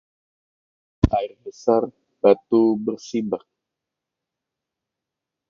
Air besar batu bersibak